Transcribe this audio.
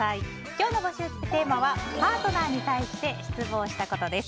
今日の募集テーマはパートナーに対して失望したことです。